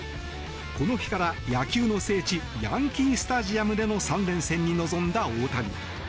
この日から野球の聖地ヤンキー・スタジアムでの３連戦に臨んだ大谷。